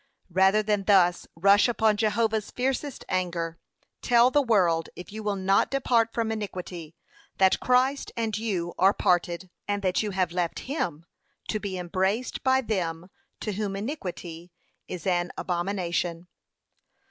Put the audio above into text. p. 530. Rather than thus rush upon Jehovah's fiercest anger, 'Tell the world, if you will not depart from iniquity, that Christ and you are parted, and that you have left him to be embraced by them to whom iniquity is an abomination.'